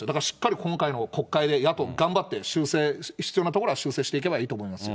今回の国会で野党頑張って、修正、必要なところは修正していけばいいと思いますよ。